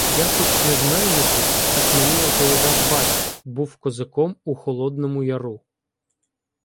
Я хоч не з Мельників, так мені оповідав батько — був козаком у Холодному Яру.